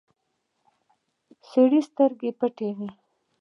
سړي سترګې پټې وې.